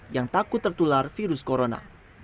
yang takut tertular virus corona